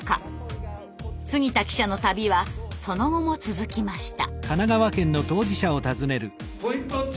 杉田記者の旅はその後も続きました。